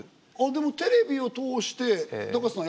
でもテレビを通して高瀬さん